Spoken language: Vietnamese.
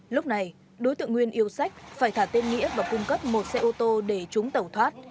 lúc này đối tượng nguyên yêu sách phải thả tên nghĩa và cung cấp một xe ô tô để chúng tẩu thoát